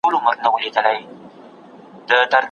که ته په اخلاص یو څه ورکړې، اجر به یې ومومې.